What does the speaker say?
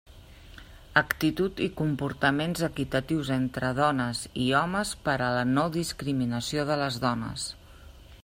Actitud i comportaments equitatius entre dones i homes para la no-discriminació de les dones.